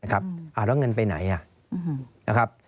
แล้วเงินไปไหน